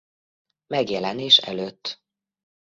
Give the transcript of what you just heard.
Megjelenés előtt